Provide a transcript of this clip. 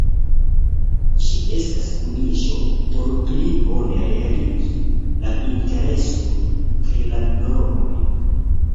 Ĝi estas kuniĝo por pli bone realigi la interesojn kaj la normojn.